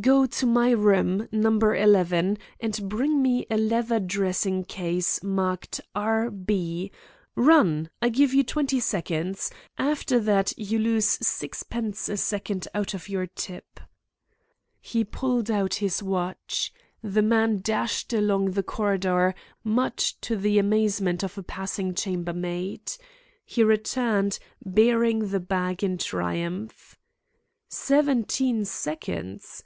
"Go to my room, No. 11, and bring me a leather dressing case, marked 'R.B.' Run! I give you twenty seconds. After that you lose sixpence a second out of your tip." He pulled out his watch. The man dashed along the corridor, much to the amazement of a passing chamber maid. He returned, bearing the bag in triumph. "Seventeen seconds!